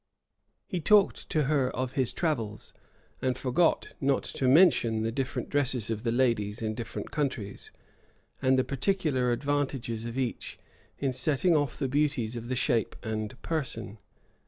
He talked to her of his travels, and forgot not to mention the different dresses of the ladies in different countries, and the particular advantages of each in setting off the beauties of the shape and person.